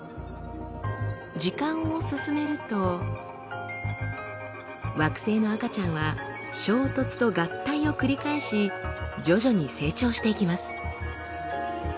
時間を進めると惑星の赤ちゃんは衝突と合体を繰り返し徐々に成長していきます。